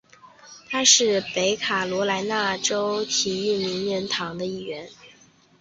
他是北卡罗来纳州体育名人堂的一员。